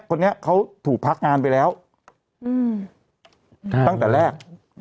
คนนี้เขาถูกพักงานไปแล้วตั้งแต่แรก